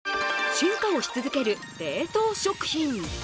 進化をし続ける冷凍食品。